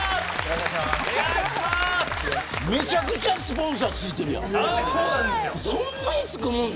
めちゃくちゃスポンサーついてるやん。